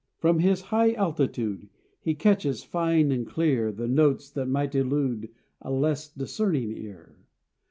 From his high altitude He catches, fine and clear, The notes that might elude A less discerning ear.